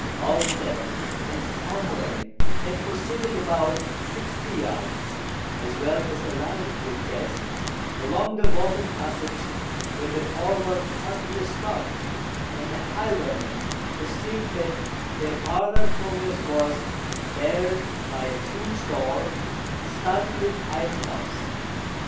Old Death and Tom Rain had proceeded about sixty yards, as well as the latter could guess, along the vaulted passage, when the former suddenly stopped, and the highwayman perceived that their farther progress was barred by a huge door, studded with iron knobs.